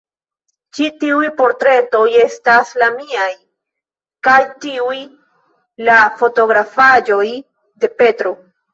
Ĉi tiuj portretoj estas la miaj; kaj tiuj, la fotografaĵoj de Petro.